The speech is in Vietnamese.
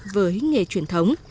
với nghề truyền thống